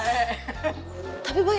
ya bener baik